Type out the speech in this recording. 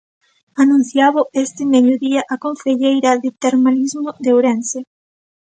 Anunciábao este mediodía a concelleira de Termalismo de Ourense.